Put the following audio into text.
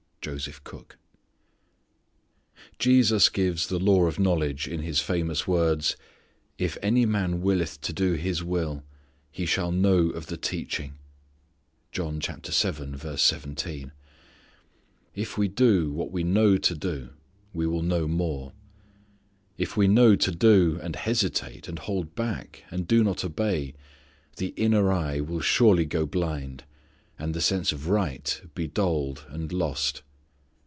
" Jesus gives the law of knowledge in His famous words, "If any man willeth to do His will he shall know of the teaching." If we do what we know to do, we will know more. If we know to do, and hesitate and hold back, and do not obey, the inner eye will surely go blind, and the sense of right be dulled and lost.